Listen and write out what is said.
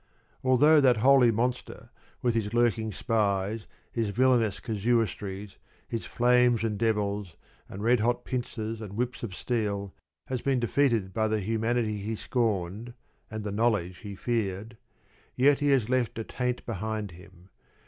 Although that holy monster, with his lurking spies, his villainous casuistries, his flames and devils, and red hot pincers, and whips of steel, has been defeated by the humanity he scorned and the knowledge he feared, yet he has left a taint behind him.